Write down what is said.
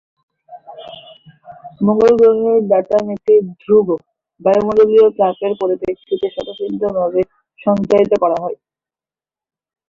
মঙ্গল গ্রহের ডাটাম একটি ধ্রুবক বায়ুমণ্ডলীয় চাপের পরিপ্রেক্ষিতে স্বতঃসিদ্ধভাবে সংজ্ঞায়িত করা হয়।